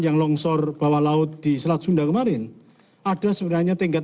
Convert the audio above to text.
yang longsor bawah laut di selat sunda kemarin ada sebenarnya tingkat